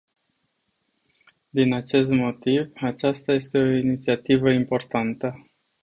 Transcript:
Din acest motiv, aceasta este o inițiativă importantă.